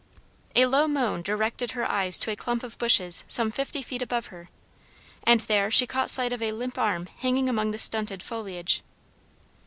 A low moan directed her eyes to a clump of bushes some fifty feet above her, and there she caught sight of a limp arm hanging among the stunted foliage.